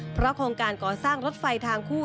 เพราะโครงการก่อสร้างรถไฟทางคู่